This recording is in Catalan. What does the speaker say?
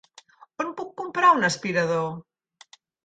On puc comprar un aspirador?